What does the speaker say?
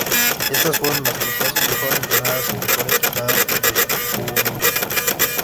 Estas fueron las tropas mejor entrenadas y mejor equipadas del Kuomintang.